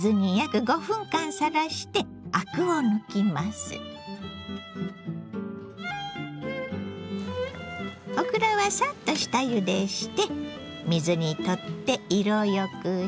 オクラはさっと下ゆでして水にとって色よくし。